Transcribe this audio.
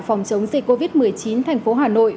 phòng chống dịch covid một mươi chín thành phố hà nội